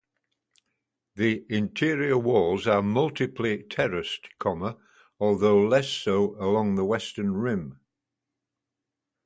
The interior walls are multiply terraced, although less so along the western rim.